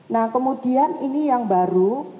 nah kemudian ini yang baru